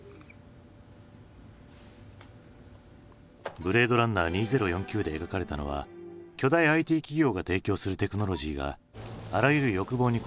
「ブレードランナー２０４９」で描かれたのは巨大ＩＴ企業が提供するテクノロジーがあらゆる欲望に応えてくれる未来だ。